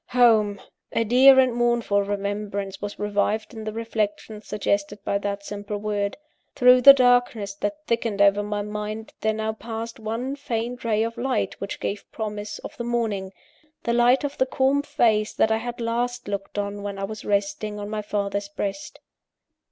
Home! A dear and a mournful remembrance was revived in the reflections suggested by that simple word. Through the darkness that thickened over my mind, there now passed one faint ray of light which gave promise of the morning the light of the calm face that I had last looked on when it was resting on my father's breast.